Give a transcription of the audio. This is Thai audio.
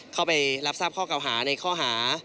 เข้าไปรับทราบข้อเก่าหาในข้อหา